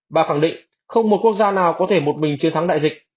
bà khẳng định không một quốc gia nào có thể một mình chiến thắng đại dịch